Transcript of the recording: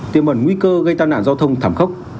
tiềm ẩn nguy cơ gây tai nạn giao thông thảm khốc